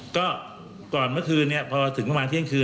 ก่อนเมื่อคืนพอถึงเที่ยงคืน